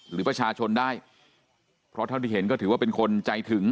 หรือประชาชนได้เพราะเท่าที่เห็นก็ถือว่าเป็นคนใจถึง